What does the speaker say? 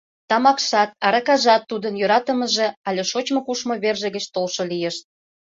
Тамакшат, аракажат Тудын йӧратымыже але шочмо-кушмо верже гыч толшо лийышт.